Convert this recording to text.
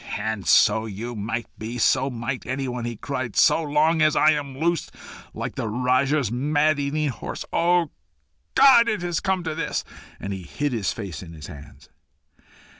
"And so you might be so might anyone," he cried, "so long as I am loose like the Rajah's man eating horse. O God! It has come to this!" And he hid his face in his hands.